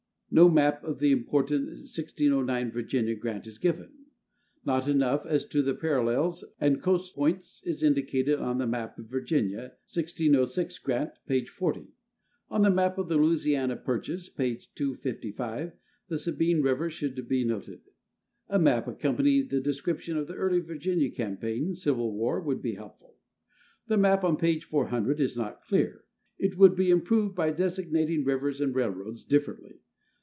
No map of the important 1609 Virginia grant is given. Not enough as to parallels and coast points is indicated on the map of the Virginia, 1606, grant, p. 40. On the map of the Louisiana purchase, p. 255, the Sabine River should be noted. A map accompanying the description of the early Virginia campaign (Civil War) would be helpful. The map on page 400 is not clear; it would be improved by designating rivers and railroads differently.